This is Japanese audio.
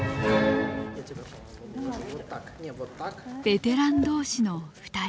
ベテラン同士の２人。